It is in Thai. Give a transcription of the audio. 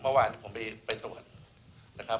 เมื่อวานผมไปตรวจนะครับ